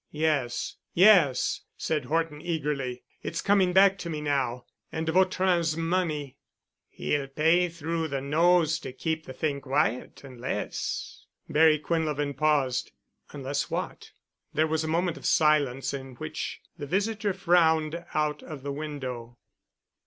"Yes, yes," said Horton eagerly. "It's coming back to me now. And de Vautrin's money——" "He'll pay through the nose to keep the thing quiet—unless——" Barry Quinlevin paused. "Unless—what?" There was a moment of silence in which the visitor frowned out of the window.